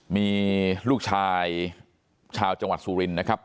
มีลูกชายชาวจังหวัดสุรินทร์นะครับ